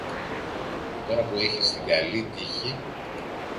τώρα που έχεις την καλή τύχη